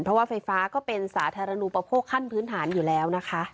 เพราะว่าไฟฟ้าก็เป็นสาธารณูปโภคขั้นพื้นฐานอยู่แล้วนะคะ